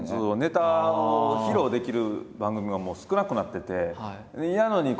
ネタを披露できる番組が少なくなってて。